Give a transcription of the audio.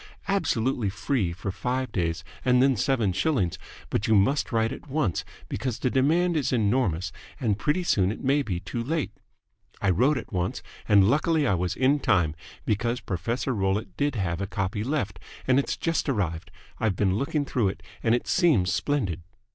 absolutely free for five days and then seven shillings, but you must write at once because the demand is enormous and pretty soon it may be too late. I wrote at once, and luckily I was in time, because Professor Rollitt did have a copy left, and it's just arrived. I've been looking through it, and it seems splendid."